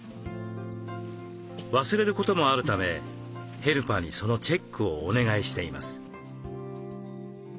忘れることもあるためヘルパーにそのチェックをお願いしています。